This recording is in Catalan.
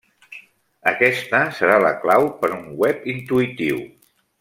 Aquesta serà la clau per un Web intuïtiu.